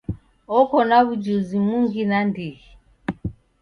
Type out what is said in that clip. Oko na w'ujuzi mungi nandighi.